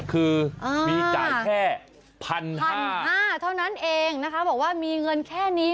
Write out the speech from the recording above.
คือมีจ่ายแค่พันห้าเท่านั้นเองนะคะบอกว่ามีเงินแค่นี้